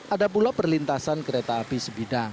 ada pula perlintasan kereta api sebidang